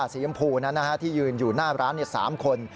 ยำพูนั้นที่ยืนอยู่หน้าร้าน๓คน